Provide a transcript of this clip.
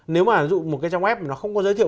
nếu mà ví dụ một cái trang web nó không có giới thiệu